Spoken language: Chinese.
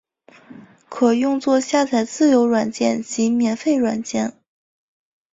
可用作下载自由软件及免费软件。